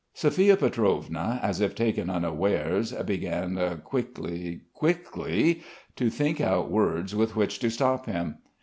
Sophia Pietrovna as if taken unawares began, quickly, quickly, to think out words with which to stop him.